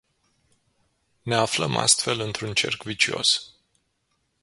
Ne aflăm astfel într-un cerc vicios.